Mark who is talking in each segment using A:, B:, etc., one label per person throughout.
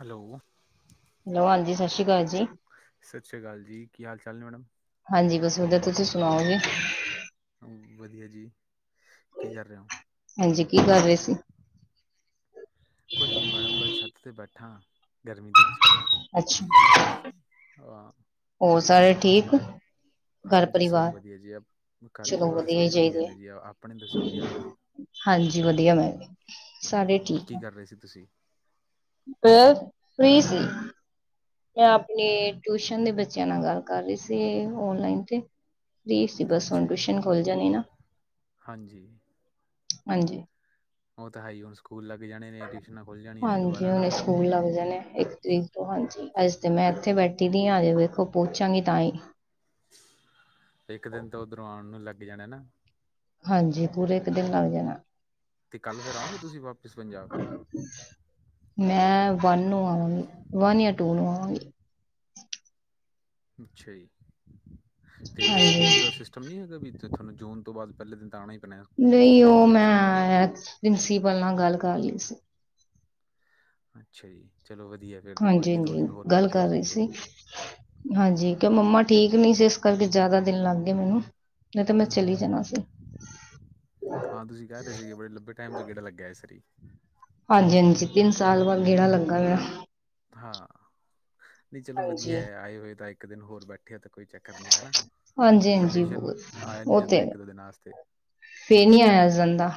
A: Hello,
B: hello ਹਾਂਜੀ, ਸਤਿ ਸ਼੍ਰੀ ਅਕਾਲ ਜੀ।
A: ਸਤਿ ਸ੍ਰੀ ਅਕਾਲ ਜੀ, ਕੀ ਹਾਲ ਚਾਲ ਨੇ ਮੈਡਮ?
B: ਹਾਂਜੀ ਬਸ ਵਧੀਆ, ਤੁਸੀਂ ਸੁਣਾਓ ਜੀ?
A: ਵਧੀਆ ਜੀ, ਕੀ ਕਰ ਰਿਹੇ ਹੋ?
B: ਹਾਂਜੀ, ਕੀ ਕਰ ਰਹੇ ਸੀ?
A: ਕੁਛ ਨਹੀਂ ਮੈਡਮ ਬਸ ਛੱਤ 'ਤੇ ਬੈਠਾਂ ਗਰਮੀ ਦੇ
B: ਅੱਛਾ
A: [unintelligible]
B: ਹੋਰ ਸਾਰੇ ਠੀਕ? ਘਰ
A: ਹਾਂਜੀ, ਸਭ
B: ਪਰਿਵਾਰ
A: ਵਧੀਆ ਜੀ ਘਰ
B: ਚਲੋ
A: ਪਰਿਵਾਰ ਸਭ
B: ਹੀ
A: ਵਧੀਆ
B: ਚਾਹੀਦੇ ਹੈ
A: ਨੇ ਜੀ ਆਪਣੇ ਦੱਸੋ, ਕੀ ਹਾਲ ਨੇ?
B: ਹਾਂਜੀ ਵਧੀਆ ਮੈਂ,
A: ਕੀ ਕਰ ਰਹੇ ਸੀ ਤੁਸੀਂ?
B: ਬਸ ਫ੍ਰੀ ਸੀ, ਮੈਂ ਆਪਣੇ ਟਿਊਸ਼ਨ ਦੇ ਬੱਚਿਆਂ ਨਾਲ ਗੱਲ ਕਰ ਰਹੀ ਸੀ, ਔਨਲਾਈਨ ਤੇ ਫ੍ਰੀ ਸੀ ਬਸ ਹੁਣ
A: ਅੱਛਾ ਜੀ
B: ਟਿਊਸ਼ਨ ਖੋਲ ਜਾਣੀ ਨਾ,
A: ਹਾਂਜੀ
B: ਹਾਂਜੀ,
A: ਔ ਤਾਂ ਹੈ ਹੀ ਹੁਣ ਸਕੂਲ। ਲੱਗ ਜਾਣੇ ਨੇ ਟਿਊਸ਼ਨਾਂ। ਜਾਣੀਆਂ ਨੇ
B: ਹਾਂਜੀ
A: ਦੁਬਾਰਾ ਨਾ
B: ਹੁਣੇ ਸਕੂਲ ਲੱਗ ਜਾਣੇ ਇੱਕ ਤਰੀਕ ਤੋਂ ਹਾਂਜੀ ਅੱਜ ਤੇ ਮੈਂ ਇੱਥੇ
A: ਹਾਂਜੀ
B: ਬੈਠੀ ਦੀ ਹਾਂ ਹਜੇ ਤੇ। ਓਹ ਪੁਛਾਂਗੀ ਤਾਈ।
A: ਇੱਕ ਦਿਨ ਤਾਂ ਉੱਧਰੋਂ ਆਉਣ ਨੂੰ ਲੱਗ ਜਾਣੇ ਨਾ।
B: ਹਾਂਜੀ ਪੂਰੇ ਇੱਕ ਦਿਨ ਲੱਗ ਜਾਣਾ।
A: ਤੇ ਕੱਲ੍ਹ ਫੇਰ ਆਓਗੇ ਤੁਸੀਂ ਵਾਪਿਸ ਪੰਜਾਬ।
B: ਮੈਂ ਵਨ ਨੂੰ ਆਵਾਂਗੀ ਵਨ ਜਾਂ ਟੂ ਨੂੰ ਆਵਾਂਗੀ।
A: ਅੱਛਾ ਜੀ ਤੇ ਫਿਰ ਸਕੂਲ ਦਾ
B: ਹਾਂਜੀ
A: ਸਿਸਟਮ ਨੀ ਹੈਗਾ ਵੀ। ਅਤੇ ਤੁਹਾਨੂੰ ਜੂਨ ਤੋਂ ਬਾਅਦ ਪਹਿਲੇ ਦਿਨ ਆਉਣਾ ਹੀ। ਪੈਣਾ
B: ਨਹੀਂ
A: ਸਕੂਲ
B: ਉਹ
A: ਦੇ ਵਿੱਚ
B: ਮੈਂ ਪ੍ਰਿੰਸੀਪਲ ਨਾਲ ਗੱਲ ਕਰ ਲਈ ਸੀ।
A: ਅੱਛਾ ਜੀ। ਚਲੋ ਵਧੀਆ ਫੇਰ ਤਾਂ ਕੋਈ
B: ਹਾਂਜੀ
A: ਨੀ
B: ਹਾਂਜੀ
A: ਦਿਨ ਹੋਰ
B: ਗੱਲ
A: ਬੈਠੇ ਹੋ
B: ਕਰ ਰਹੀ
A: ਪੇਕੇ।
B: ਸੀ ਹਾਂਜੀ ਕਿ ਮੰਮਾ। ਠੀਕ ਨਹੀਂ ਸੀ ਇਸ ਕਰਕੇ ਜ਼ਿਆਦਾ ਦਿਨ ਲੱਗ ਗਏ ਮੈਨੂੰ। ਨਹੀਂ ਤਾਂ ਮੈਂ
A: ਹਮ
B: ਚਲੀ ਜਾਣਾ ਸੀ
A: ਹਮ ਹਾਂ ਤੁਸੀਂ ਕਹਿ ਰਹੇ ਸੀਗੇ ਬੜੇ ਲੰਬੇ ਟਾਈਮ ਤੋ। ਗੇੜਾ ਲੱਗਿਆਏ ਇਸ ਵਾਰੀ।
B: ਹਾਂਜੀ ਹਾਂਜੀ ਤਿੰਨ ਸਾਲ ਬਾਅਦ ਗੇੜਾ ਲੱਗਾ ਵੇ।
A: ਹਾਂ ਨਹੀਂ ਚਲੋ ਵਧੀਆ
B: ਹਾਂਜੀ
A: ਹੈ ਆਏ ਹੋਏ ਤਾਂ ਇੱਕ ਦਿਨ ਹੋਰ ਬੈਠੇ। ਇਕੱਠ ਤਾਂ ਕੋਈ ਚੱਕਰ ਨਹੀਂ ਹੈ
B: ਹਾਂਜੀ ਹਾਂਜੀ
A: ਸਪੈਸ਼ਲ
B: ਉਹ
A: ਆਇਆ ਨੀ ਜਾਂਦਾ ਇੱਕ ਦੋ ਦਿਨ ਵਾਸਤੇ।
B: ਫਿਰ ਨੀ ਆਇਆ ਜਾਂਦਾ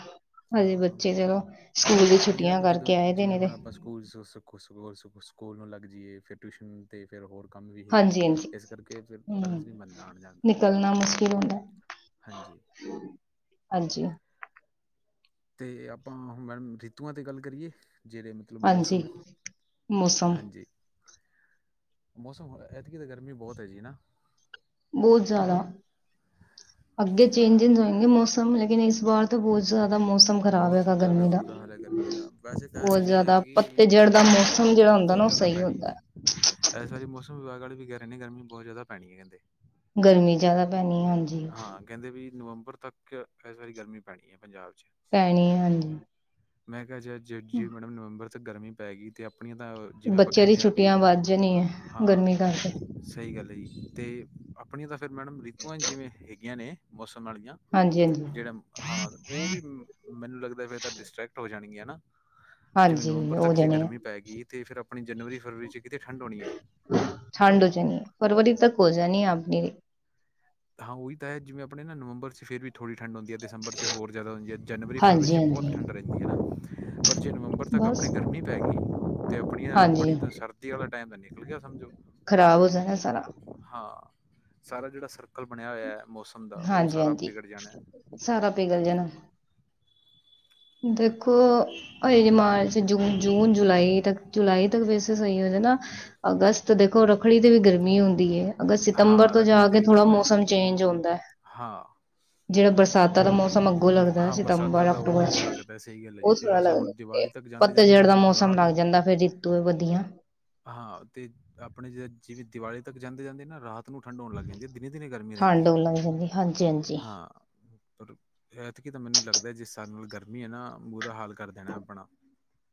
B: ਹਜੇ
A: ਹਾਂ।
B: ਬੱਚੇ ਚਲੋ। ਸਕੂਲ ਦੀ
A: ਉਹੀ ਨਾ
B: ਛੁੱਟੀਆਂ
A: ਵੀ ਜਦੋਂ
B: ਕਰਕੇ ਆਏ ਦੇ
A: ਜਿਵੇਂ
B: ਨੇ ਤੇ
A: ਹੁਣ ਆਪਾਂ ਸਕੂਲ ਸਖੋ। ਹੋਰ ਸਗੋੰ ਸਕੂਲ ਨੂੰ ਲੱਗ ਜਾਈਏ ਫਿਰ ਟਿਊਸ਼ਨ ਤੇ ਫਿਰ ਹੋਰ। ਕੰਮ ਵੀ ਹੈਗੇ, ਨੇ
B: ਹਾਂਜੀ ਹਾਂਜੀ
A: ਇਸ ਕਰਕੇ ਫਿਰ
B: ਹਮ
A: ਬੈਲੈਂਸ ਨਹੀਂ ਬਣਦਾ ਆਉਣ ਜਾਣ ਦਾ।
B: ਨਿਕਲਣਾ ਮੁਸ਼ਕਿਲ ਹੁੰਦਾ
A: ਹਾਂਜੀ।
B: ਹਾਂਜੀ
A: ਤੇ ਆਪਾਂ ਮੈਮ ਰਿਤੂਆਂ ਤੇ ਗੱਲ ਕਰੀਏ। ਜਿਹੜੇ ਮਤਲਬ ਮੌਸਮ
B: ਹਾਂਜੀ
A: ਹਾਂਜੀ। ਮੌਸਮ ਐਤਕੀ ਤਾਂ ਗਰਮੀ ਬਹੁਤ ਹੈ ਜੀ ਨਾ।
B: ਬਹੁਤ ਜ਼ਿਆਦਾ ਅੱਗੇ ਚੇਂਜਿਸ ਹੋਏਗੇ ਮੌਸਮ ਲੇਕਿਨ ਇਸ। ਵਾਰ ਤੋਂ ਬਹੁਤ ਜ਼ਿਆਦਾ ਮੌਸਮ। ਖ਼ਰਾਬ
A: ਬਹੁਤ
B: ਹੈਗਾ
A: ਜ਼ਿਆਦਾ
B: ਗਰਮੀ ਦਾ
A: ਬੁਰਾ ਹਾਲ ਹੈ ਗਰਮੀ ਦਾ ਵੈਸੇ ਕਹਿ
B: ਬਹੁਤ
A: ਰਹੇ
B: ਜ਼ਿਆਦਾ
A: ਐੰਤਕੀ
B: ਪੱਤੇਜੜ ਦਾ
A: ਗਰਮੀ ਹੈ
B: ਮੌਸਮ
A: ਇਸ
B: ਜਿਹੜਾ
A: ਵਾਰੀ
B: ਹੁੰਦਾ ਨਾ
A: ਬਹੁਤ
B: ਉਹ
A: ਜ਼ਿਆਦਾ।
B: ਸਹੀ
A: ਪੈਣੀ
B: ਹੁੰਦਾ
A: ਇਸ ਸਾਰੇ ਮੌਸਮ ਵਿਭਾਗ ਵਾਲੇ ਵੀ ਕਹਿ ਰਹੇ ਨੇ ਗਰਮੀ ਬਹੁਤ ਜ਼ਿਆਦਾ ਪੈਣੀ ਹੈ ਕਹਿੰਦੇ।
B: ਗਰਮੀ ਜਿਆਦਾ ਪੈਣੀ ਹਾਂਜੀ।
A: ਹਾਂ ਕਹਿੰਦੇ ਵੀ ਨਵੰਬਰ ਤੱਕ ਇਸ ਵਾਰੀ ਗਰਮੀ ਪੈਣੀ ਹੈ ਪੰਜਾਬ 'ਚ।
B: ਪੈਣੀ ਹਾਂਜੀ।
A: ਮੈਂ ਕਿਹਾ ਜ ਜੇ ਜੇ ਨਵੰਬਰ ਚ ਗਰਮੀ ਪੈ ਗਈ ਤੇ। ਆਪਣੀਆਂ ਤਾਂ ਜਿਵੇਂ ਆਪਾਂ
B: ਬੱਚਿਆਂ ਦੀ
A: ਕਹਿੰਦੇ ਹਾਂ ਵੀ
B: ਛੁੱਟੀਆਂ ਵੱਧ ਜਾਣੀਆਂ
A: ਹਾਂ।
B: ਗਰਮੀ ਕਰਕੇ
A: ਸਹੀ ਗੱਲ ਹੈ ਜੀ ਤੇ ਆਪਣੀਆਂ ਤਾਂ ਫਿਰ ਮੈਡਮ ਰੀਤੂਆਂ ਜਿਵੇਂ ਹੈਗੀਆਂ ਨੇ। ੀਆਂ
B: ਹਾਂਜੀ ਹਾਂਜੀ
A: ਜਿਹੜਾ ਹਾਂ ਉਹ ਵੀ [unintelligible] ਲੱਗਦਾ ਪਿਆ ਡਿਸਟ੍ਰੈਕਟ ਹੋ ਜਾਣਗੀਆਂ ਹਨਾ ਜਿਵੇਂ
B: ਹਾਂਜੀ
A: ਨਵੰਬਰ
B: ਹੋ
A: ਤੱਕ ਜੇ
B: ਜਾਣੀ ਹੈ
A: ਗਰਮੀ ਪੈ ਗਈ ਤੇ ਫਿਰ। ਆਪਣੀ ਜਨਵਰੀ ਫਰਵਰੀ ਚ। ਕਿਤੇ ਠੰਡ ਹੋਣੀ ਹੈ
B: ਠੰਡ ਚ ਫਰਵਰੀ ਤੱਕ ਹੋਣ ਜਾਣੀ ਅਗੇ।
A: ਹਾਂ ਉਹੀ ਤਾਂ ਹੈ ਜਿਵੇਂ ਆਪਣੇ ਨਾ ਨਵੰਬਰ ਚ ਫਿਰ ਵੀ। ਥੋੜ੍ਹੀ ਠੰਡ ਹੁੰਦੀ ਦਸੰਬਰ 'ਚ ਹੋਰ ਜ਼ਿਆਦਾ ਹੁੰਦੀ ਹੈ ਜਨਵਰੀ ਫਰਵਰੀ
B: ਹਾਂਜੀ
A: ਚ ਬਹੁ
B: ਹਾਂਜੀ
A: ਠੰਡ ਰਹਿੰਦੀ ਹੈ ਨਾ। ਪਰ ਜੇ ਨਵੰਬਰ ਤੱਕ
B: ਬਸ
A: ਆਪਣੀ ਗਰਮੀ ਪੈ ਗਈ ਤੇ ਆਪਣੀ
B: ਹਾਂਜੀ
A: ਆਪਣੀ ਤਾਂ ਸਰਦੀ ਵਾਲਾ ਟਾਈਮ। ਨਿਕਲ ਗਿਆ ਸਮਝੋ।
B: ਖਰਾਬ ਹੋ ਜਾ ਨਾ ਸਾਰਾ।
A: ਹਾਂ ਸਾਰਾ ਜਿਹੜਾ ਸਰਕਲ ਬਣਿਆ ਹੋਇਆ। ਮੌਸਮ ਦਾ ਉਹ
B: ਹਾਂਜੀ
A: ਸਾਰਾ
B: ਹਾਂਜੀ
A: ਵਿਗੜ ਜਾਣਾ ਹੈ
B: ਸਾਰਾ ਪਿਗਲ ਜਾਣਾ। ਦੇਖੋ ਹਜੇ ਜ ਮਾਰਚ ਜੂਨ ਜੂਨ ਜੁਲਾਈ ਤੱਕ ਜੁਲਾਈ ਤੱਕ ਵਸ। ਸਹੀ ਹੋ ਜਾ ਨਾ ਅਗਸਤ ਦੇਖੋ ਰੱਖੜੀ ਤੇ ਵੀ ਗਰਮੀ ਹੁੰਦੀ ਹੈ। ਅਗਰ ਸਤੰਬਰ
A: ਹਾਂ
B: ਤੋਂ
A: ਰੱਖੜੀ
B: ਜਾ
A: ਤੇ
B: ਕੇ
A: ਵੀ
B: ਥੋੜਾ
A: ਗਰਮੀ ਰਹਿੰਦੀ
B: ਮੌਸਮ
A: ਹੈ
B: ਚੇਂਜ ਹੁੰਦਾ ਹੈ
A: ਹਾਂ
B: ਜਿਹੜਾ ਬਰਸਾਤ। ਉਦ ਤਾਂ ਮੌਸਮ ਅੱਗੋ ਲਗਦਾ
A: ਹਾਂ ਬਰਸਾਤਾਂ
B: ਸਤੰਬਰ,
A: ਦਾ ਉਹ
B: ਅਕਤੂਬਰ
A: ਉਹ
B: ਚ
A: ਲੱਗਦਾ ਸਹੀ ਗੱਲ ਹੈ ਜੀ
B: ਉਹ
A: ਤੇ
B: ਸੋਹਣਾ
A: ਵੈਸੇ ਹੁਣ
B: ਲੱਗਦਾ,
A: ਦੀਵਾਲੀ ਤੱਕ ਜਾਂਦੇ ਜਾਂਦੇ
B: ਪੱਤਝੜ ਦਾ ਮੌਸਮ
A: ਰਾਤ
B: ਲੱਗ
A: ਨੂੰ
B: ਜਾਂਦਾ ਫੇਰ ਰਿੱਤੂ ਵਧੀਆ।
A: ਹਾਂ ਤੇ ਆਪਣੇ ਜਿ ਜਿਵੇਂ ਦੀਵਾਲੀ ਤੱਕ ਜਾਂਦੇ-ਜਾਂਦੇ ਨਾ ਰਾਤ, ਨੂੰ ਠੰਢ ਹੋਣ ਲੱਗ ਜਾਂਦੀ ਹੈ, ਦਿਨੇ ਦਿਨੇ ਗਰਮੀ
B: ਠੰਡ
A: ਰਹਿੰਦੀ ਹੈ
B: ਹੋਣ ਲੱਗ ਜਾਂਦੀ ਹਾਂਜੀ ਹਾਂਜੀ
A: ਹਾਂ ਪਰ ਤਾਂ ਮੈਨੂੰ ਲੱਗਦਾ ਹੈ, ਜਿਸ ਸਾਲ ਨਾਲ ਗਰਮੀ ਹੈ ਨਾ ਬੁਰਾ ਹਾਲ ਕਰ ਦੇਣਾ ਆਪਣਾ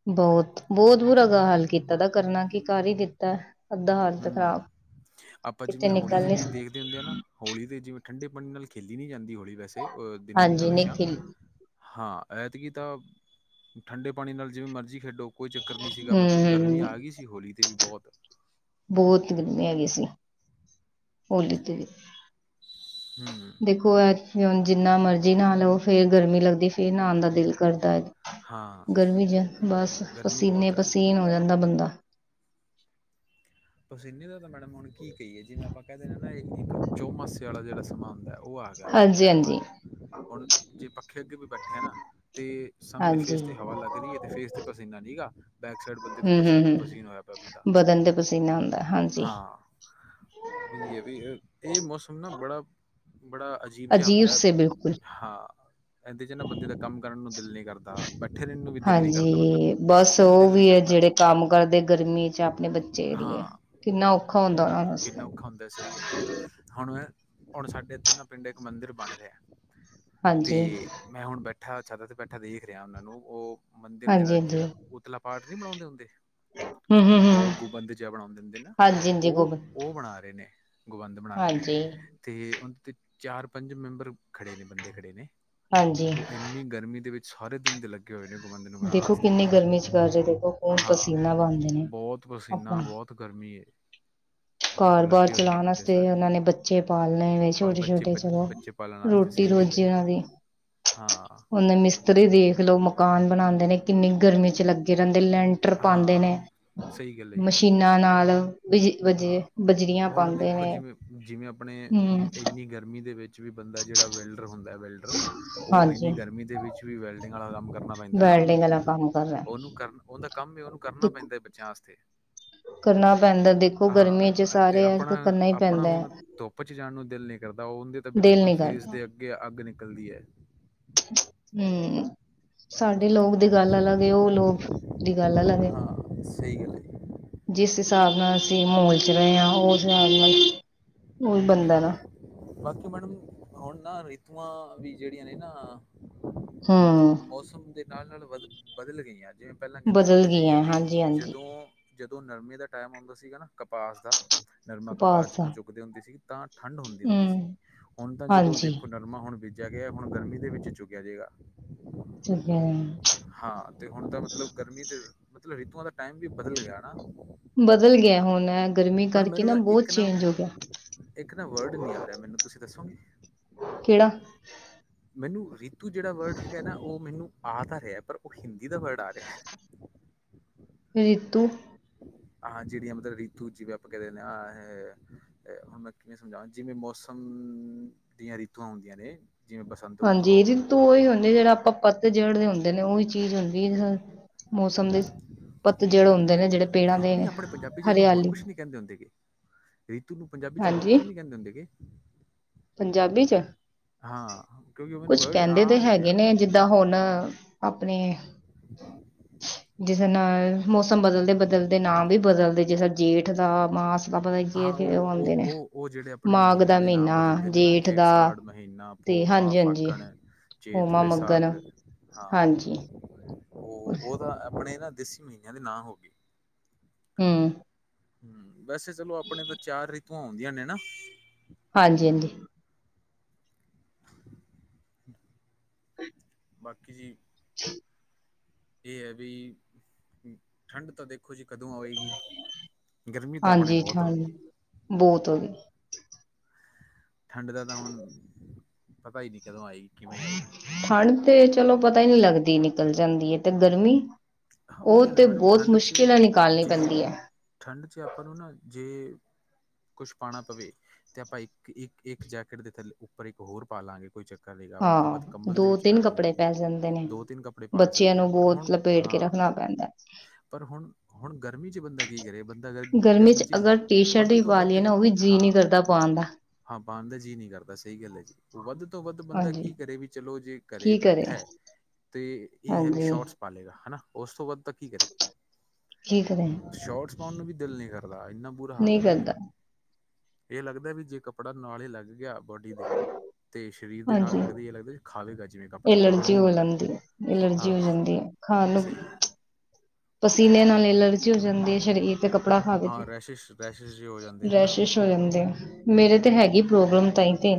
B: ਬਹੁਤ-ਬਹੁਤ ਬੁਰਾ ਗ ਹਾਲ ਕੀਤਾ ਦਾ, ਕਰਨਾ ਕੀ ਕਰ ਹੀ ਦਿੱਤਾ। ਅੱਧਾ ਹਾਲ ਤਾਂ
A: ਹੂੰ,
B: ਖਰਾਬ
A: ਆਪਾਂ
B: ਕਿਤੇ
A: ਜਿਵੇਂ ਹੋਲੀ
B: ਨਿਕਲ
A: ਦੇ
B: ਨਹੀਂ
A: ਵੀ
B: ਸ-
A: ਦੇਖਦੇ ਹੁੰਦੇ ਹਾਂ ਨਾ ਹੋਲੀ ਦੇ ਜਿਵੇਂ, ਠੰਡੇ ਪਾਣੀ ਨਾਲ ਖੇਲੀ ਨੀ ਜਾਂਦੀ ਹੋਲੀ ਵੈਸੇ ਉਹ ਦਿਨ
B: ਹਾਂਜੀ
A: ਹਮੇਸ਼ਾ
B: ਨਿਕਲ
A: ਹਾਂ। ਐਤਕੀ ਤਾਂ ਠੰਡੇ ਪਾਣੀ ਨਾਲ ਜਿਵੇਂ ਮਰਜ਼ੀ ਖੇਡੋ ਕੋਈ ਚੱਕਰ ਨੀ ਸੀਗਾ, ਮਤਲਬ ਗਰਮੀ
B: ਹੂੰ
A: ਆ ਗਈ ਸੀ ਹੋਲੀ ਤੇ ਵੀ ਬਹੁਤ
B: ਬਹੁਤ ਗਰਮੀੇ ਹੈਗੇ ਸੀ, ਹੋਲੀ ਤੇ ਵੀ
A: ਹੂੰ
B: ਦੇਖੋ ਐ ਹ ਜਿੰਨਾ ਮਰਜੀ ਨਾਲੋ ਫੇਰ ਗਰਮੀ ਲੱਗਦੀ ਫੇਰ ਨਾਣ ਦਾ ਦਿਲ ਕਰਦਾ।
A: ਹਾਂ
B: ਗਰਮੀ ਚ ਬਸ
A: ਗਰਮੀ
B: ਪਸੀਨੇ
A: ਬਹੁਤ ਹੈ
B: ਪਸੀਨ ਹੋ ਜਾਂਦਾ ਬੰਦਾ, ਆ,
A: ਪਸੀਨੇ ਦਾ ਤਾਂ ਮੈਡਮ ਹੁਣ ਕੀ ਕਹੀਏ, ਜਿਵੇਂ ਆਪਾਂ ਕਹਿਿੰਦੇ ਨਾ ਇੱਕ ਚੋਮਾਸੇ ਵਾਲਾ ਜਿਹੜਾ ਸਮਾਨ ਦਾ ਉਹ ਆ ਗਿਆ
B: ਹਾਂਜੀ
A: ਟਾਈਮ ਆ
B: ਹਾਂਜੀ
A: ਗਿਆ, ਹੁਣ ਜੇ ਪੱਖੇ ਅੱਗੇ ਵੀ ਬੈਠੇ ਨਾ ਤਾਂ ਸਾਹਮਣੇ
B: ਹਾਂਜੀ
A: ਫੇਸ ਤੇ ਹਵਾ ਲਗ ਰਹੀ ਹੈ, ਤੇ ਫੇਸ ਤੇ ਪਸੀਨਾ ਨੀ ਹੈਗਾ ਬੈਕ ਸਾਈਡ ਬੰਦੇ ਤੇ
B: ਹੂੰ ਹੂੰ ਹੂੰ
A: ਪਸੀਨਾ-ਪਸੀਨਾ ਹੋਇਆ ਪਿਆ ਬੰਦਾ
B: ਬਦਨ ਤੇ ਪਸੀਨਾ ਆਉਂਦਾ ਹਾਂਜੀ
A: ਹਾਂ ਹੀ ਹੈ, ਵੀ ਇਹ ਮੌਸਮ ਨਾ ਬੜਾ ਬੜਾ ਅਜੀਬ ਜਿਹਾ ਹੁੰਦਾ
B: ਸੇ ਬਿਲਕੁਲ
A: ਹਾਂ, ਇਹਦੇ ਜ ਨਾ ਬੰਦੇ ਦਾ ਕਮ ਕਰਨ ਨੂੰ ਦਿਲ ਨਹੀ ਕਰਦਾ ਪ ਵੀ ਦਿਲ ਨ ਕਰਦਾ ਮਤਲਬ
B: ਹਾਂਜੀ
A: ਕਿਸੇ
B: ਬਸ
A: ਚੀਜ਼ ਨੂੰ
B: ਉਹ
A: ਦਿਲ ਨ
B: ਵੀ ਹੈ
A: ਕਰਦਾ
B: ਜਿਹੜੇ ਕੰਮ ਕਰਦੇ ਗਰਮੀ 'ਚ ਆਪਣੇ ਬੱਚੇ ਦੀ ਹੈ
A: ਹਾਂ
B: ਕਿੰਨਾ ਔਖਾ ਹੁੰਦਾ ਉਹਨਾਂ
A: ਕਿਨਾ
B: ਵਾਸਤੇ
A: ਔਖਾ ਹੁੰਦਾ ਸਹੀ ਗੱਲ ਐ ਜੀ, ਹੁਣ ਹੁਣ ਸਾਡੇ ਇਥੇ ਨਾ ਪਿਡ ਇਕ ਮਦਿਰ ਬਣ ਰਿਹਾ,
B: ਹਾਂਜੀ
A: ਤੇ ਮੈ ਹੁਣ ਬੈਠਾ ਬੈਠਾ ਤੇ ਬੈਠਾ ਦੇਖ ਰਿਹਾ, ਉਹਨਾਂ ਨੂੰ ਉਹ ਮੰਦਿਰ ਦੇ
B: ਹਾਂਜੀ ਹਾਂਜੀ
A: ਜਿਹੜਾ ਉਤਲਾ ਪਾਠ ਨੀ ਬਣਾਦੇ ਹੁੰਦੇ
B: ਹੂੰ ਹੂੰ ਹੂੰ
A: ਗੋਲ ਗੁਬੰਦ ਜਿਹਾ ਬਣਾਦੇ ਹੁੰਦੇ ਨੇ,
B: ਹਾਂਜੀ ਹਾਂਜੀ
A: ਉਹ
B: ਗੋਬਿੰਦ
A: ਉਹ ਬਣਾ ਰਹੇ ਨੇ ਬੰਦ ਬਣਾ ਰਹੇ ਨੇ
B: ਹਾਂਜੀ
A: ਅਤੇ ਉਹਦੇ 'ਤੇ ਚਾਰ ਪੰਜ ਮੈਂਬਰ ਖੜ੍ਹੇ ਨੇ ਬਦੇ ਖੜੇ ਨੇ
B: ਹਾਂਜੀ
A: ਉਹ ਇਨੀ ਗਰਮੀ ਦੇ ਵਿਚ ਸਾਰੇ ਦਿਨ ਦੇ ਲਗੇ।
B: ਦੇਖੋ ਕਿੰਨੀ ਗਰਮੀ ਚ ਕਰ ਰਹੇ ਦੇਖੋ, ਹੁਣ
A: ਹਾਂ
B: ਪਸੀਨਾ ਬਹਦੇ ਨੇ
A: ਬਹੁਤ ਪਸੀਨਾ
B: ਆਪਣਾ
A: ਬਹੁਤ ਗਰਮੀ ਹੈ। ਉਹ
B: ਕਾਰਰ ਬਾਹਾਰ
A: ਲੱਗੇ ਹੋਏ ਨੇ
B: ਚਲਾਣ
A: ਬੰਦੇ
B: ਵਾਸਤੇ
A: ਸਾਰੇ
B: ਉਹਨਾ ਨੇ ਬੱਚੇ ਪਾਲਣੇ ਵ
A: ਬੱਚੇ
B: ਛੋਟੇ-ਛੋਟੇ ਚਲੋ
A: ਬੱਚੇ ਪਾਲਣ ਵਾਸਤੇ
B: ਰੋਟੀ
A: ਸਹੀ
B: ਰੋਜੀ
A: ਗੱਲ ਹੈ ਜੀ
B: ਜੀਨਾਂ ਦੀ
A: [inaudible]
B: ਉਹਨੇ ਮਿਸਤਰੀ ਦੇਖ ਲਓ, ਮਕਾਨ ਬਣਾਦੇ ਨੇ ਕਿਨੀ ਗਰਮੀ ਚ ਲਗੇ ਰਹਿਦੇ ਲੈਂਟਰ ਪਾਦੇ
A: ਹਾਂ,
B: ਨੇ
A: ਸਹੀ ਗੱਲ ਹੈ ਜੀ,
B: ਮਸ਼ੀਨਾ ਨਾਲ ਬਜ
A: ਹਾਂ
B: ਬਜੇ ਬਜਰੀਆਂ
A: ਹੁਣ
B: ਪਾਉਂਦੇ
A: ਦੇਖੋ
B: ਨੇ
A: ਜਿਵੇ ਜਿਵੇ, ਆਪਣੇ
B: ਹਮ
A: ਇਨੀ ਗਰਮੀ ਦੇ ਵਿਚ ਵੀ ਬੰਦਾ ਜਿਹੜਾ ਵੈਲਡਰ ਹੁਦਾ ਵੈਲਡਰ, ਉਹ
B: ਹਾਂਜੀ
A: ਇਨੀ ਗਰਮੀ ਦੇ ਵਿਚ ਵੀ ਵੈਲਡਿਗ ਵਾਲਾ ਕਮ ਕਰਨਾ ਪੈਂਦਾ ਨਾ
B: ਵੈਲਡਿੰਗ ਵਾਲਾ ਕੰਮ ਕਰ ਰਿਹਾ
A: ਉਹਨੂੰ ਕਰ ਉਹਦਾ ਕਮ ਵੀ ਉਹਨੂੰ ਕਰਨਾ
B: ਦੇਖੋ
A: ਪੈਂਦਾ ਬੱਚਿਆਂ ਵਾਸਤੇ
B: ਕਰਨਾ ਪੈਦਾ ਦੇਖੋ ਗਰਮੀ ਚ
A: ਹਾਂ ਤੇ
B: ਸਾਰੇ ਅੱਜ ਕਰਨਾ ਹੀ
A: ਆਪਣਾ-ਆਪਣਾ
B: ਪੈਂਦਾ ਹੈ
A: ਹੁਣ ਧੁੱਪ ਚ' ਜਾਣ ਨੂੰ ਦਿਲ ਨ ਕਰਦਾ ਉਹ ਉਹਦੇ ਤਾਂ
B: ਦਿਲ
A: ਬਿਲਕੁਲ
B: ਨੀ
A: ਫੇਸ
B: ਕਰਦਾ
A: ਅਗੇ, ਅੱਗ ਨਿਕਲਦੀ ਹੈ।
B: ਹਮ ਸਾਡੇ ਲੋਕ ਦੀ ਗੱਲ ਅਲਗ ਉਹ ਲੋਕ ਗਲ ਅਲਗ
A: ਹਾਂ ਸਹੀ ਗੱਲ ਹੈ।
B: ਜਿਸ ਹਿਸਾਬ ਨਾਲ ਅਸੀ ਮੋਲ ਚ' ਰਹੇ ਹਾਂ ਹੋਰ ਉਸ ਹਿਸਾਬ ਨਾਲ ਓਹੀ ਬੰਦਾ ਨਾ
A: ਬਾਕੀ ਮੈਡਮ ਹੁਣ ਨਾ ਰਤੂਆਂ ਵੀ ਜਿਹੜੀਆਂ ਨੇ ਨਾ
B: ਹੂੰ,
A: ਮਤਲਬ ਮੌਸਮ ਦੇ ਨਾਲ ਨਾਲ ਵਧ ਬਦਲ ਗਈਆਂ ਜਿਵੇਂ, ਪਹਿਲਾਂ ਕਹਿਦੇ
B: ਬਦਲ
A: ਹੁਦੇ ਸੀਗੇ
B: ਗਈਆਂ
A: ਵੀ
B: ਹਾਂਜੀ ਹਾਂਜੀ
A: ਜਦੋ-ਜਦੋ ਦੋ ਗਰਮੀ ਦਾ ਟਾਈਮ ਹੋਦਾ ਸੀਗਾ, ਨਾ ਕਪਾਸ ਦਾ ਕਪਾਸ ਜਦੋਂ ਚੁਕਦੇ ਹੁੰਦੇ ਸੀ ਤਾਂ ਠੰਢ ਹੁਦੀ ਸੀ ਹੁਨ
B: ਹੂੰ
A: ਹੁਣ ਤਾਂ, ਜਦੋਂ
B: ਹਾਂਜੀ
A: ਦੇਖੋ ਗਰਮੀ ਹੁਣ ਬੀਜਿਆ ਗਿਆ ਹੁਣ ਗਰਮੀ ਦੇ ਵਿਚ ਚੁਕਿਆ ਜਾਏਗਾ। ਹਾਂ ਤੇ ਹੁਣ ਤਾਂ ਮਤਲਬ ਗਰਮੀ ਤੇ ਮਤਲਬ ਰੀਤੂਆਂ ਦਾ ਟਾਈਮ ਵੀ ਬਦਲ ਗਿਆ।
B: ਬਦਲ ਗਿਆ ਹੁਣ ਗਰਮੀ ਕਰਕੇ ਨਾ ਬਹੁਤ ਚੇਂਜ ਹੋ ਗਿਆ।
A: ਇਕ ਨਾ ਵਰਡ ਨਹੀ ਆ ਰਿਹਾ ਮੈਨੂੰ ਤੁਸੀ ਦਸੋਗੇ।
B: ਕਿਹੜਾ।
A: ਮੈਨੂੰ ਰੀਤੂ ਜਿਹੜਾ ਵਰਡ ਹੈਗਾ ਨਾ ਉਹ ਮੈਨੂੰ ਆ ਤਾਂ ਰਿਹਾ ਪਰ ਉਹ ਹਿੰਦੀ ਦਾ ਵਰਡ ਆ ਰਿਹਾ। [inaudible] [inaudible]
B: ਰਿਤੂ।
A: ਆਹ ਜਿਹੜੀਆਂ ਮਤਲਬ ਰੀਤੂ ਜਿਵੇ ਆਪਾ ਕਹਿ ਦਿਦੇ ਹਾਂ ਹੁਣ ਮੈ ਕਿਵੇ ਸਮਝਾ ਜੀਵੇ ਮੌਸਮ। ਦੀਆਂ ਰੀਤੂਆਂ ਹੁੰਦੀਆਂ ਨੇ। ਜਿਵੇਂ ਬਸੰਤ ਰੁੱਤ
B: ਹਾਂਜੀ
A: ਹੋ ਗਈ
B: ਰਿਤੂ ਉਹੀ ਹੁੰਦੀ ਜਿਹੜਾ ਆਪਾਂ ਪੱਤ ਜੜਦੇ ਹੁੰਦੇ ਨੇ ਉਹੀ ਚੀਜ਼ ਹੁੰਦੀ। ਮੌਸਮ ਦੇ। ਪੱਤ ਜਿਹੜੇ ਹੁੰਦੇ ਨੇ ਜਿਹੜੇ ਪੇੜਾਂ ਦੇ
A: ਨਹੀਂ ਆਪਣੇ ਪੰਜਾਬੀ 'ਚ ਇਹਨੂੰ ਹੋਰ
B: ਹਰਿਆਲੀ।
A: ਕੁਛ ਨਹੀਂ ਕਹਿੰਦੇ ਹੁੰਦੇ ਗੇ ਰੀਤੂ ਨੂੰ ਪੰਜਾਬੀ 'ਚ ਹੋਰ
B: ਹਾਂਜੀ
A: ਕੁਝ ਨਹੀਂ ਕਹਿੰਦੇ ਹੁੰਦੇ ਗੇ।
B: ਪੰਜਾਬੀ 'ਚ।
A: ਹਾਂ ਕਿਉਂਕਿ ਉਹ ਮੈਨੂੰ
B: ਕੁਛ
A: ਵਰਡ
B: ਕਹਿੰਦੇ ਤੇ
A: ਆ ਨਹੀਂ ਰਿਹਾ
B: ਹੈਗੇ ਨੇ ਜਿੱਦਾਂ ਹੁਣ। ਆਪਣੇ।
A: [unintelligible]
B: ਜਿਸ ਨਾਲ ਮੌਸਮ ਬਦਲਦੇ ਬਦਲਦੇ ਨਾਂ ਵੀ ਬਦਲਦੇ ਜਿਸ ਜੇਠ ਦਾ ਮਾਸ। ਆਪਪ ਦਾ ਕੀ
A: ਹਾਂ
B: ਉਹ ਆਉਂਦੇ ਨੇ
A: ਉਹ ਉਹ ਜਿਹੜੇ ਆਪਣੇ
B: ਮਾਘ ਦਾ
A: ਮਹੀਨਿਆਂ ਦੇ ਨਾਮ
B: ਮਹੀਨਾ।
A: ਨੇ ਬਦਲਦੇ ਨਾ ਜੇਠ ਸਾਠ ਮਹੀਨਾ
B: ਤੇ
A: ਭੋ ਮਾਂ
B: ਹਾਂਜੀ ਹਾਂਜੀ
A: ਫਾਕਣ ਚੇਤ
B: ਹੋਮਾ ਮੱਗਨ
A: ਬੈਸਾਖ ਹਾਂ।
B: ਹਾਂਜੀ।
A: ਉਹ ਉਹ ਤਾਂ ਆਪਣੇ ਨਾ ਦੇਸੀ ਮਹੀਨਿਆਂ ਦੇ ਨਾ ਹੋ ਗਏ।
B: ਹਮ।
A: ਹਮ ਵੈਸੇ ਚਲੋ ਆਪਣੇ ਤਾਂ ਚਾਰ ਰੀਤੂਆਂ ਆਉਂਦੀਆਂ ਨੇ ਨਾ।
B: ਹਾਂਜੀ ਹਾਂਜੀ।
A: ਬਾਕੀ ਜੀ। ਇਹ ਹੈ ਬ ਠੰਢ ਤਾਂ ਦੇਖੋ ਜੀ। ਕਦੋਂ ਆਵੇਗੀ ਗਰਮੀ ਤਾਂ ਆਪਣੇ
B: ਹਾਂਜੀ
A: ਬਹੁਤ ਹੋ
B: ਠੰਡ
A: ਗਈ।
B: ਬਹੁਤ ਹੋ ਗਈ
A: ਠੰਡ ਦਾ ਤਾਂ ਹੁਣ ਪਤਾ ਹੀ ਨਹੀਂ। ਕਦੋਂ ਆਏਗੀ ਕਿਵੇਂ ਆਏਗੀ
B: ਠੰਡ ਤੇ ਚਲੋ ਪਤਾ ਹੀ ਨਹੀਂਲੱਗਦੀ ਨਿਕਲ ਜਾਂਦੀ ਹੈ ਤੇ ਗਰਮੀ।
A: ਹਾਂ
B: ਉਹ
A: ਉਹੀ ਹੈ ਨਾ
B: ਤੇ
A: ਮੈਡਮ
B: ਬਹੁਤ
A: ਠੰਡ 'ਚ
B: ਮੁਸ਼ਕਿਲ ਨਾਲ ਨਿਕਾਲਣੀ
A: ਜੇ
B: ਪੈਂਦੀ ਹੈ।
A: ਠੰਡ ਚ ਆਪਾਂ ਨੂੰ ਨਾ ਜੇ। ਕੁੱਛ ਪਾਉਣਾ ਪਵੇ ਤੇ ਆਪਾਂ ਇੱਕ ਇੱਕ ਇੱਕ ਜੈਕਟ ਦੇ ਥੱਲੇ ਉੱਪਰ ਇੱਕ ਹੋਰ ਪਾ ਲਾਂਗੇ ਕੋਈ ਚੱਕਰ। ਕਰੇਗਾ ਵੱਧ ਤੋਂ
B: ਹਾਂ
A: ਵੱਧ ਕੰਬਲ ਦੇ
B: ਦੋ
A: ਵਿੱਚ
B: ਤਿੰਨ
A: ਬੈਠ
B: ਕੱਪੜੇ
A: ਜਾਂਗੇ
B: ਪੈ ਜਾਂਦੇ
A: ਦੋ ਤਿੰਨ ਕੱਪੜੇ ਪਾ ਸਕਦੇ ਹਾਂ ਪਰ ਹੁਣ।
B: ਪੇਟ ਕੇ
A: ਹਾਂ
B: ਰੱਖਣਾ ਪੈਂਦਾ।
A: ਪਰ ਹੁਣ ਹੁਣ ਗਰਮੀ ਚ ਬੰਦਾ ਕੀ ਕਰੇ ਬੰਦਾ ਅ ਗਰਮੀ ਚ ਵੱਧ ਤੋਂ ਵੱਧ ਹਾਂ।
B: ਨੀ ਕਰਦਾ ਪਾਉਣ ਦਾ।
A: ਬੰਦ ਜੀ ਨੀ ਕਰਦਾ ਸਹੀ ਗੱਲ ਹੈ ਜੀ ਉਹ ਵੱਧ। ਤੋਂ ਵੱਧ ਬੰਦਾ
B: ਹਾਂਜੀ
A: ਕੀ ਕਰੇ ਵੀ ਚਲੋ ਜੇ ਘੇ
B: ਕੀ ਕਰੇ
A: ਬੈਠਾ ਹੈ ਤੇ ਇਹ ਹੈ ਵੀ
B: ਹਾਂਜੀ
A: ਸ਼ੋਰਟਸ। ਪਾ ਲੇਗਾ ਹਨਾ ਉਸ ਤੋਂ ਬਾਅਦ ਤਾਂ ਕੀ ਕਰੇ।
B: ਕੀ ਕਰੇ
A: ਸ਼ੋਟਸ ਪਾਉਣ ਨੂੰ ਵੀ ਦਿਲ ਨਹੀ ਕਰਦਾ ਇੰਨਾ ਬੁਰਾ
B: ਨਹੀਂ
A: ਹਾਲ ਪਿਆ।
B: ਕਰਦਾ
A: ਇਹ ਲੱਗਦਾ ਵੀ ਜੇ ਕੱਪੜਾ ਨਾਲ ਹੀ ਲੱਗ ਗਿਆ। ਬੋਡੀ ਦੇ ਤੇ ਸਰੀਰ ਦੇ ਨਾਲ
B: ਹਾਂਜੀ
A: ਲੱਗਦੇ ਇਹ ਲੱਗਦੇ ਖਾਵੇਗਾ ਜਿਵੇਂ ਕੱਪੜਾ ਖਾਣ
B: ਐਲਰਜੀ
A: ਨੂੰ ਆਉਂਦਾ।
B: ਐਲਰਜੀ ਹੋ
A: ਹਾਂ
B: ਜਾਂਦੀ। ਖਾ ਨੂੰ
A: ਸਹੀ ਹੈ
B: ਪਸੀਨੇ ਨਾਲ ਐਲਰਜੀ ਹੋ ਜਾਂਦੀ ਹੈ ਸਰੀਰ। ਤੇ ਕੱਪੜਾ ਖਾ ਦੇ ਕੇ
A: ਹਾਂ ਰੈਸ਼ਿਸ਼ ਰੈਸ਼ਿਸ਼ ਜੇ ਹੋ ਜਾਂਦੇ ਨੇ ਨਾ
B: ਡਰੈਸ਼ਸ਼ ਹੋ ਜਾਂਦੇ ਆ। ਮੇਰੇ ਤੇ ਹੈਗੀ ਪ੍ਰੋਬਲਮ ਤਾਈ ਤੇ।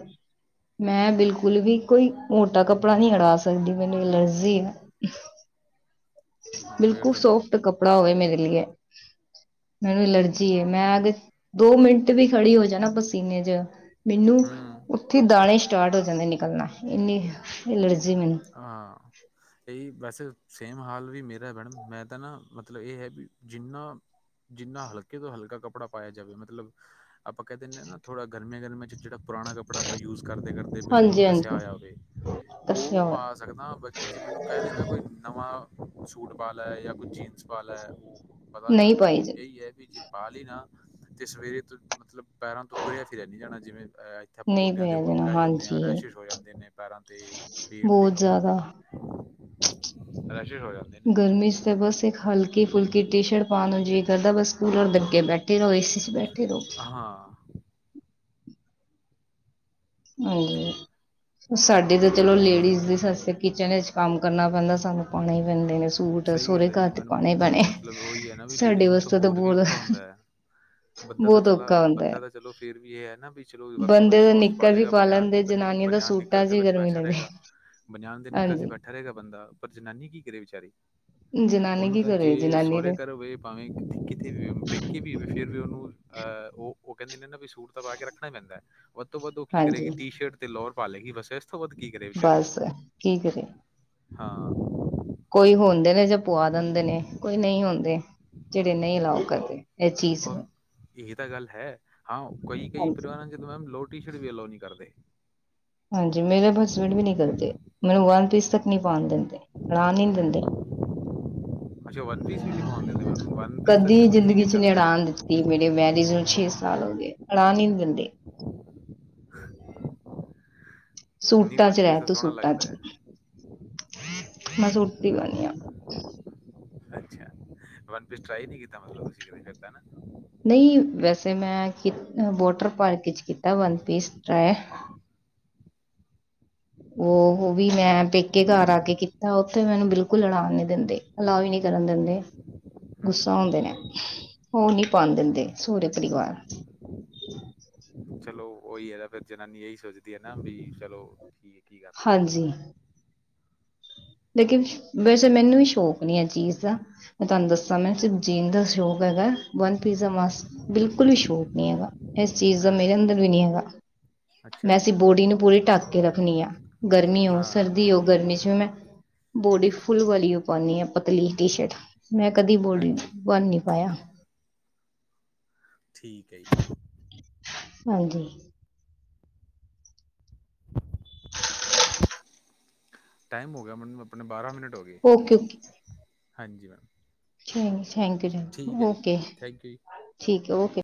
B: ਮੈਂ ਬਿਲਕੁਲ ਵੀ ਕੋਈ ਮੋਟਾ ਕੱਪੜਾ ਨਹੀਂ ਅੜਾ ਸਕਦੀ ਮੈਨੂੰ ਐਲਰਜੀ ਹੈ।
A: ਹ [unintelligible]
B: ਬਿਲਕੁਲ ਸੋਫਟ ਕੱਪੜਾ ਹੋਵੇ ਮੇਰੇ ਲਿਏ। ਮੈਨੂੰ ਐਲਰਜੀ ਮੈਂ ਦੋ ਮਿੰਟ ਵੀ ਖੜੀ ਹੋ ਜਾਣਾ ਪਸੀਨੇ ਚ ਮੈਨੂੰ
A: ਹੂੰ
B: ਉੱਥੇ ਦਾਣੇ ਸਟਾਰਟ ਹੋ ਜਾਂਦੇ ਨਿਕਲਣਾ ਇੰਨੀ ਅਲਰ
A: ਹਾਂ, ਇਹ ਬਸ ਸੇਮ ਹਾਲ ਵੀ ਮੇਰਾ ਮੈਡਮ ਮੈਂ ਤਾਂ ਨਾ ਮਤਲਬ ਇਹ ਹੈ ਵੀ ਜਿੰਨਾ ਜਿੰਨਾ ਹਲਕੇ ਤੋਂ ਹਲਕਾ ਕੱਪੜਾ ਪਾਇਆ ਜਾਵੇ ਮਤਲਬ ਆਪਾਂ ਕਹਿ ਦਿੰਦੇ ਹਾਂ ਨਾ ਥੋੜ੍ਹਾ ਗਰਮੀਆਂ ਗਰਮੀਆਂ ਚ ਜਿਹੜਾ ਪੁਰਾਣਾ ਕੱਪੜਾ ਆਪਾਂ ਯੂਜ ਕਰਦੇ ਕਰਦੇ ਬਿਲਕੁਲ
B: ਹਾਂਜੀ
A: ਕੱਸਿਆ
B: ਹਾਂਜੀ
A: ਹੋਇਆ ਹੋਵੇ, ਉਹ
B: ਦੱਸਿਆ ਹੋਇਆ
A: ਪਾ ਸਕਦਾ ਬਾਕੀ ਜੇ ਮੈਨੂੰ ਕਹਿ ਦੇਣਾ ਕੋਈ ਨਵਾਂ ਸੂਟ ਪਾਲਾ ਹੈ ਜਾਂ ਕੁਛ ਜੀਨਸ ਪਾਾਲਾ ਹੈ ਉਹ ਪਤਾ ਨਹੀਂ
B: ਪਾਈ ਜ
A: ਇਹੀ ਹੈ ਵੀ ਜੇ ਪੇ ਨਾ, ਤੇ ਸਵੇਰੇ ਤੋਂ ਮਤਲਬ ਪੈਰਾਂ ਤੋਂ ਤੁਰਿਆ ਫਿਰਿਆ ਨੀ ਜਾਣਾ ਜਿਵੇਂ ਅਹ ਇੱਥੇ ਆਪਾਂ
B: ਨਹੀਂ
A: ਗੋਡਿਆਂ ਦੇ
B: ਪਾਇਆ
A: ਕੋਲ
B: ਜਾਣਾ
A: ਕਹਿ ਜਾਂਦੇ ਹਾਂ
B: ਹਾਂਜੀ
A: ਰੈਸ਼ਿਿਸ ਹੋ ਜਾਂਦੇ ਨੇ ਪੈਰਾਂ ਤੇ।
B: ਬਹੁਤ
A: ਕਮਰ ਤੇ,
B: ਜ਼ਿਆਦਾ
A: ਰੈਸ਼ਿਸ਼ ਹੋ ਜਾਂਦੇ ਨੇ
B: ਗਰਮੀ ਚ ਤਾਂ ਬਸ ਇੱਕ ਹਲਕੀ ਫੁਲਕੀ ਟੀ ਸ਼ਰਟ ਪਾ ਨੂੰ ਜੀ ਕਰਦਾ ਬਸ ਕੂਲਰ ਦੇ ਅੱਗੇ ਬੈਠੇ ਰਹੋ ਏਸੀ ਚ ਬੈਠੇ ਰਹੋ।
A: ਹਾਂ,
B: ਹਾਂਜੀ, ਸਾਡੇ ਤਾਂ ਚਲੋ ਲੇਡੀਜ਼ ਦੀ ਸੱਸਿਆ ਜਦੋ ਅਸੀਂ ਕੰਮ ਕਰਨਾ ਪੈਂਦਾ ਸਾਨੂੰ ਪਾਉਣੇ ਹੀ ਪੈਂਦੇ ਨੇ। ਸੂਟ
A: ਸਹੀ
B: ਸਹੁਰੇ
A: ਗੱਲ ਹੈ
B: ਘਰ
A: ਜੀ
B: ਤੇ
A: ਮੈਡਮ
B: ਪਾਉਣੇ ਹੀ
A: ਤ
B: ਪੈਣੇ
A: ਮਤਲਬ ਉਹੀ ਹੈ ਨਾ ਬਈ
B: ਸਾਡੇ
A: ਲੇਡੀਜ਼ ਨੂੰ ਤਾਂ
B: ਵਾਸਤੇ
A: ਹੋਰ ਵੀ
B: ਬਹੁਤ
A: ਔਖਾ ਹੁੰਦਾ ਹੈ। ਬੰਦਾ ਤਾਂ
B: ਬਹੁਤ
A: ਚਲਾ
B: ਔਖਾ ਹੁੰਦਾ ਹੈ
A: ਬੰਦਾ ਤਾਂ ਚਲੋ ਫੇਰ ਵੀ ਏਹ ਹੈ ਨਾ ਵੀ ਚਲੋ ਵੱਧ ਤੋਂ ਵੱਧ ਸ਼ੋਰਟਸ
B: ਕਦੀ
A: ਲਏਗਾ
B: ਪਾ
A: ਬਨਿਆਨ
B: ਲੈੰਦੇ
A: ਬਨ-
B: ਜਨਾਨੀਆਂ ਦਾ
A: ਬਨਿਆਨ ਨਿੱਕਰ
B: ਸੂਟਾਂ ਚ
A: ਤੇ
B: ਹੀ ਗਰਮੀ
A: ਬੈਠਾ
B: ਲੱਗਦੀ।
A: ਰਹੇਗਾ ਬਨਿਆਨ ਦੇ ਨਿਕਰ ਚੀ ਬੈਠਾ
B: ਹਾਂਜੀ
A: ਰਹੇਗਾ ਬੰਦਾ, ਪਰ ਜਨਾਨੀ ਕੀ ਕਰੇ ਵਿਚਾਰੀ।
B: ਜਨਾਨੀ
A: ਉਹਨੂੰ
B: ਕੀ
A: ਤਾਂ
B: ਕਰੇ
A: ਜੇ
B: ਜਨਾਨੀ
A: ਸਹੁਰੇ
B: ਦੇ
A: ਘਰ ਹੋਵੇ ਭਾਵੇਂ ਕਿੱਥੇ ਕਿੱਥੇ ਵੀ ਹੋਵੇ ਪੇਕੇ ਵੀ ਹੋਵੇ ਫਿਰ ਵੀ ਔ ਨੂੰ ਅਹ ਉਹ ਉਹ ਕੈੰਦੇ ਨੇ ਨਾ ਬਈ ਸੂਟ ਤਾਂ ਪਾ ਕੇ ਰੱਖਣਾ ਈ ਪੈਂਦੈ। ਵੱਧ ਤੋਂ ਵੱਧ ਉਹ ਕੀ
B: ਹਾਂਜੀ
A: ਕਰੇਗੀ ਟੀ-ਸ਼ਰਟ ਤੇ ਲੋਅਰ ਪਾ ਲੇਗੀ ਬਸ ਐਸ
B: ਬੱਸ, ਕੀ ਕਰੇ?
A: ਹਾਂ।
B: ਕੋਈ ਹੁੰਦੇ ਨੇ ਜਾਂ ਪਵਾ ਦਿੰਦੇ ਨੇ, ਕੋਈ ਨਹੀਂ ਹੁੰਦੇ ਜਿਹੜੇ ਨਹੀਂ ਅਲਾਓ ਕਰਦੇ। ਇਹ ਚੀਜ਼
A: ਉਹ
B: ਨੂੰ
A: ਇਹ ਤਾਂ ਗੱਲ ਹੈ, ਹਾਂ ਕਈ ਕਈ
B: ਹਾਂਜੀ
A: ਪਰਿਵਾਰਾਂ ਜਦੋਂ ਮੈਮ ਲੋਰਟੀ ਸ਼ਟ ਵੀ ਅਲੋ ਨੀ ਕਰਦੇ।
B: ਹਾਂਜੀ, ਮੇਰੇ ਬਸਬੈਂਡ ਵੀ ਨੀ ਕਰਦੇ, ਮੈਨੂੰ ਵਨ ਪੀਸ ਤਕ ਨੀ ਪਾਣ ਦਿੰਦੇ, ਪਾਣ ਹੀ ਨੀ ਦਿੰਦੇ।
A: ਅੱਛਾ, ਵਨ ਪੀਸ ਵੀ ਨੀ ਪੋਣ ਦਿੰਦੇ। ਮੈਮ, ਵਨ ਪੀਸ ਤਾਂ
B: ਕਦੀ
A: ਚਲੋ ਠੀਕ
B: ਜ਼ਿੰਦਗੀ
A: ਹੈ
B: ਚ ਨੀ
A: ਚੱਲਦਾ ਹੈ।
B: ਅੜਾਨ ਦਿੱਤੀ, ਮੇਰੇ ਮੈਰਿਜ ਨੂੰ ਛੇ ਸ ਸਾਲ ਹੋਗੇ, ਪਾਉਣ ਹੀ ਨੀ ਦਿੰਦੇ।
A: [inaudible] ਨਹੀਂ
B: ਸੂਟਾਂ
A: ਵਨ
B: ਚ
A: ਪੀਸ
B: ਰੈ
A: ਤਾਂ
B: ਤੂੰ
A: ਸੋਹਣਾ
B: ਸੂਟਾਂ
A: ਲੱਗਦਾ
B: ਚ।
A: ਹੈ।
B: ਮੈਂ ਸੁਤੀ ਪਈ ਆਂ।
A: ਅੱਛਾ, ਵਨ ਪੀਸ ਟਰਾਈ ਨੀ ਕੀਤਾ ਮਤਲਬ ਤੁਸੀਂ ਕਦੇ ਕੀਤਾ ਨਾ।
B: ਨਹੀਂ, ਵੈਸੇ ਮੈਂ [unintelligible] ਵੋਟਰ ਪਾਰਕ ਚ ਕੀਤਾ ਵਨਪੀਸ ਟਰਾਏ।
A: [inaudible]
B: ਔ ਹੋਵੀ ਮੈਂ ਪੇਕੇ ਘਰ ਆ ਕੇ ਕੀਤਾ, ਉੱਥੇ ਮੈਨੂੰ ਬਿਲਕੁਲ ਪਾਉਣ ਨੀ ਦਿੰਦੇ, ਅਲਾਓ ਈ ਨੀ ਜਰਨ ਦਿੰਦੇ। ਗੁੱਸਾ
A: ਹੂੰ,
B: ਹੋੰਦੇ ਨੇ, ਉਹ ਨੀ ਪਾਣ ਦਿੰਦੇ ਸਹੁਰੇ ਪਰਿਵਾਰ।
A: ਚਲੋ ਉਹੀ ਹੈਨਾ, ਫੇਰ ਜਨਾਨੀ ਐਹੀ ਸੋਚਦੀ ਹੈ ਨਾ ਬਈ ਚਲੋ ਠੀ
B: ਹਾਂਜੀ। ਲੇਕਿਨ, ਵੈਸੇ ਮੈਨੂੰ ਵੀ ਸ਼ੌਕ ਨੀ ਐ ਚੀਜ਼ ਦਾ ਮੈਂ ਤੁਹਾਨੂੰ ਦੱਸਾਂ ਮੈਂ। ਚ ਜੀਣ ਦਾ ਸ਼ੌਕ ਹੈਗੈ, ਵਨ ਪੀਜ਼ਾ ਦਾ ਮਾਸ ਬਿਲਕੁਲ ਵੀ ਸ਼ੌਕ ਨੀ ਹੈਗਾ, ਇਸ ਚੀਜ਼ ਦਾ ਮੇਰਾ ਅੰਦਰ ਵੀਨੀ ਹੈਗਾ।
A: ਅੱਛ
B: ਮੈਂ ਸੀਂ ਬੋਡੀ ਨੂੰ ਪੂਰੀ ਢੱਕ ਕੇ ਰੱਖਣੀ ਆ, ਗਰਮੀ ਹੋ
A: ਹਾਂ।
B: ਸਰਦੀ ਹੋ, ਗਰਮੀ ਚ ਵੀ ਮੈਂ ਬੋਡੀ ਫੁੱਲ ਵਾਲੀ ਓ ਪਾਣੀ ਆਂ। ਪਤਲੀ ਟੀ-ਸ਼ਰਟ, ਮੈਂ ਕਦੀ ਬੋਡੀਣ
A: ਹਾਂਜੀ,
B: ਬਣ ਨੀ ਪਾਯਾ।
A: ਠੀਕ ਹੈ ਜੀ।
B: ਹਾਂਜੀ।
A: ਟਾਈਮ ਹੋ ਗਿਆ ਮਤਲਬ, ਅਪਣੇ ਬਾਰਾਂ ਮਿਨਟ।
B: Okay okay.
A: ਹਾਂਜੀ ਮੈਮ।
B: ਥੈਂਕ ਯੂ ਜੀ,
A: ਠੀਕ ਹੈ ਜੀ।
B: ਓਕੇ
A: ਥੈਂਕ ਯੂ ਜੀ।
B: ਠੀਕ ਹੈ ਓਕੇ।